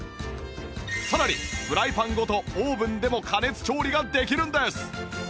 さらにフライパンごとオーブンでも加熱調理ができるんです